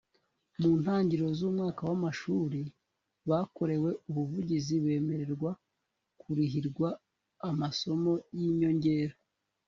mu ntangiriro z umwaka w amashuri bakorewe ubuvugizi bemererwa kurihirwa amasomo y inyongera